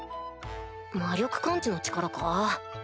魔力感知の力か？